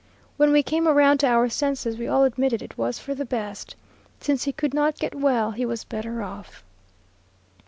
When we came around to our senses, we all admitted it was for the best. Since he could not get well, he was better off.